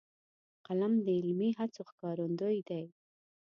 قلم د علمي هڅو ښکارندوی دی